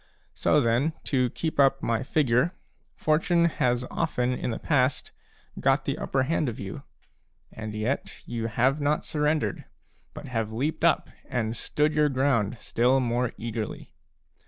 So then, to keep up my figure, Fortune has often in the past got the upper hand of you, and yet you have not surrendered, but have leaped up and stood your ground still more eagerly.